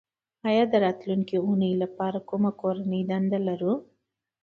ایا د راتلونکې اونۍ لپاره کومه کورنۍ دنده لرو